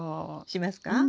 しますか？